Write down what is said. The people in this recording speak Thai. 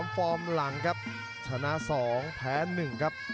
ฟอร์มหลังครับชนะ๒แพ้๑ครับ